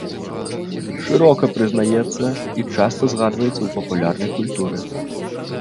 Шырока прызнаецца і часта згадваецца ў папулярнай культуры.